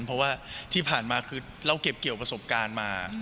เพราะว่าที่ผ่านมาคือเราเก็บเกี่ยวประสบการณ์มา